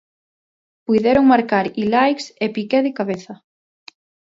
Puideron marcar Ilaix e Piqué de cabeza.